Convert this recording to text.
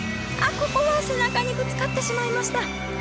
ここは背中にぶつかってしまいました。